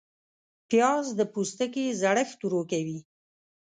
پیاز د پوستکي زړښت ورو کوي